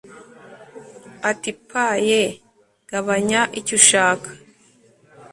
ati pa aye, gabanya icyo ushaka